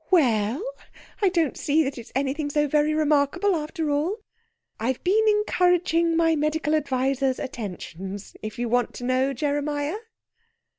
"We ell! I don't see that it's anything so very remarkable, after all. I've been encouraging my medical adviser's attentions, if you want to know, Jeremiah."